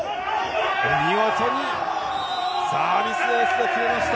見事にサービスエースを決めました！